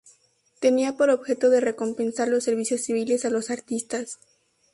Tenía por objeto de recompensar los servicios civiles a los artistas.